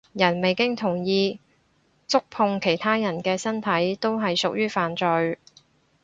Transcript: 人未經同意觸碰其他人嘅身體都係屬於犯罪